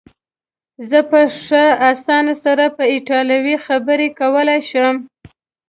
زه په ښه اسانۍ سره په ایټالوي خبرې کولای شم.